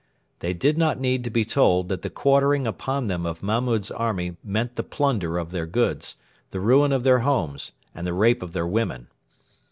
They did not need to be told that the quartering upon them of Mahmud's army meant the plunder of their goods, the ruin of their homes, and the rape of their women.